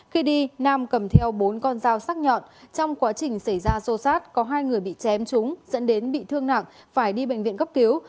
khi đi nam cầm theo bốn con dao sắc nhọn trong quá trình xảy ra xô xát có hai người bị chém trúng dẫn đến bị thương nặng phải đi bệnh viện cấp cứu